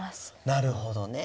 なるほどね。